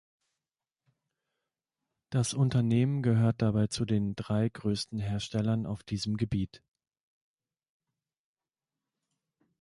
Das Unternehmen gehört dabei zu den drei größten Herstellern auf diesem Gebiet.